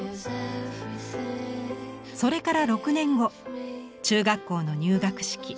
「それから６年後中学校の入学式。